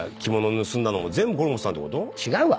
違うわ。